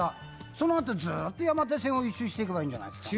そのあとずっと山手線を１周していけばいいんじゃないのかね。